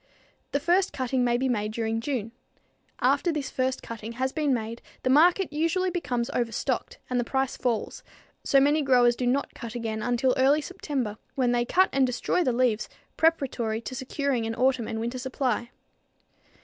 The first cutting may be made during June. After this first cutting has been made the market usually becomes overstocked and the price falls, so many growers do not cut again until early September when they cut and destroy the leaves preparatory to securing an autumn and winter supply.